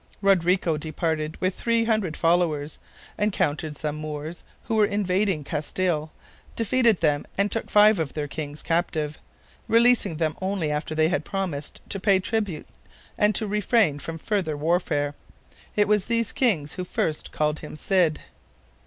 Rodrigo departed with three hundred followers, encountered some Moors, who were invading Castile, defeated them and took five of their kings captive, releasing them only after they had promised to pay tribute and to refrain from further warfare. It was these kings who first called him "Cid."